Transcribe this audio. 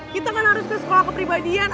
kita kan harus ke sekolah kepribadian